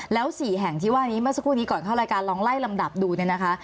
แล้ว๔แห่งที่ว่านี้เมื่อสักครู่นี้ก่อนเข้ารายการลองไล่ลำดับดูเนี่ยนะคะ